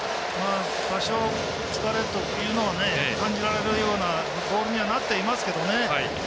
多少、疲れというのは感じられるボールになってますけどね。